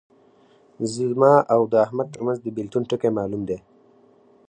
زما او د احمد ترمنځ د بېلتون ټکی معلوم دی.